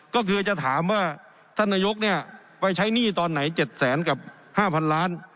ก็คือจะถามว่าท่านนายกำตีเนี้ยไปใช้หนี้ตอนไหนเจ็ดแสนกับห้าพันล้าน